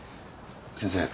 先生。